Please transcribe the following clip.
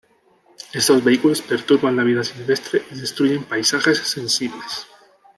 Estos vehículos perturban la vida silvestre y destruyen paisajes sensibles.